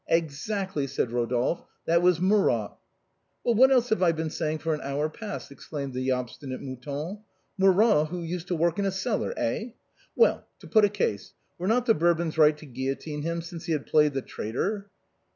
" Exactly," said Rodolphe, " that was Murat." " Well, what else have I been saying for an hour past ?" exclaimed the obstinate Mouton. " Murat, who used to work in a cellar, eh? Well, to put a case. Were not the Bour bons right to guillotine him, since he had played the traitor?"